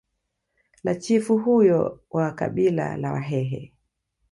la chifu huyo wa kabila la wahehe